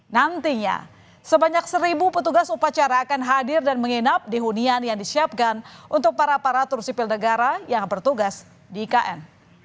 nantinya sebanyak seribu petugas upacara akan hadir dan menginap di hunian yang disiapkan untuk para aparatur sipil negara yang bertugas di ikn